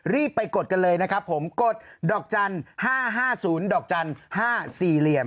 รีบไปกดกันเลยนะครับผมกดดอกจันทร์๕๕๐๕๔